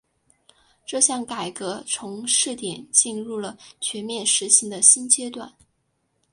这项改革从试点进入了全面实行的新阶段。